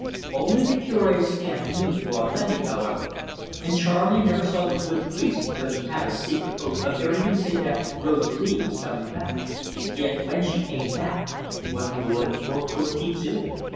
Only the Cure's scant news were authentic, however, and Charley never saw the good priest but he had a secret hope of hearing him say that Rosalie was coming back. Yet when she came back, what would, or could, he do?